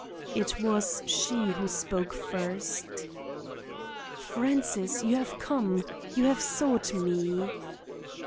"It was she who spoke first. "'Francis, you have come! You have sought me!